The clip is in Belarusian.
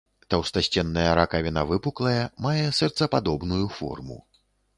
Таўстасценная ракавіна выпуклая, мае сэрцападобную форму.